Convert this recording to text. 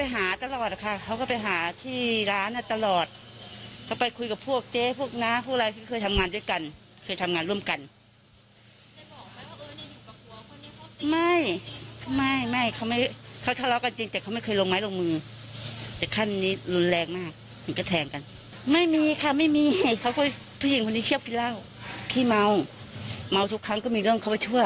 เหมือนกระแทงกัน